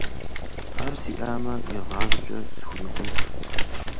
Ар сиӀамэ, игъащӀэкӀэ схурикъунт.